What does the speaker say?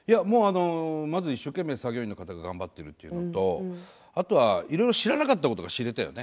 まず一生懸命作業員の方が頑張っているということとあと、いろいろ知らなかったことを知れたよね。